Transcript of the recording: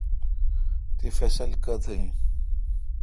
تی فصل کتہ این؟